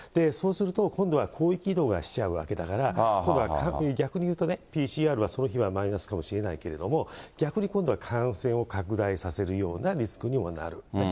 そうすると、今度は広域移動をしちゃうわけだから、今度は逆に言うとね、ＰＣＲはその日はマイナスかもしれないけれども、逆に今度は感染を拡大させるようなリスクにもなる。